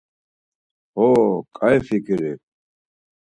Xo, ǩai fiǩiri.